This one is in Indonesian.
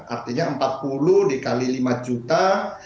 artinya empat puluh dikali lima juta